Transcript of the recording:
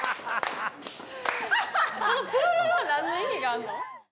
このプルルルは何の意味があんの？